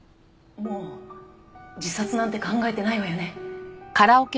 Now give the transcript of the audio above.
もう自殺なんて考えてないわよね？